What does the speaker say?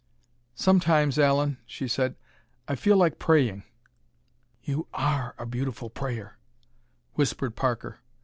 "Sometimes, Allen," she said, "I feel like praying!" "You are a beautiful prayer," whispered Parker.